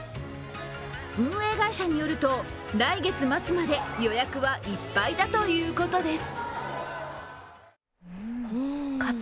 運営会社によると、来月末まで予約はいっぱいだということです。